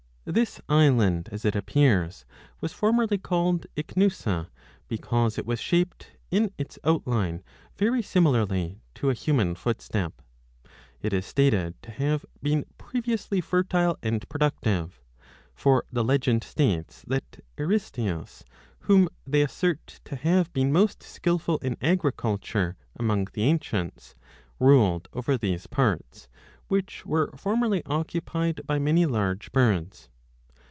This island, as it appears, was formerly called Ichnussa, because it was shaped in its outline very similarly to a human footstep. 2 It is stated to have been previously fertile and productive ; for the legend states that Aristaeus, whom they assert to have been most skilful in agriculture among the ancients, ruled over these 25 parts, which were formerly occupied by many large birds.